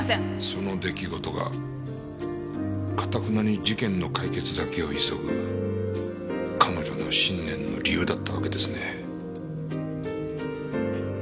その出来事が頑なに事件の解決だけを急ぐ彼女の信念の理由だったわけですね。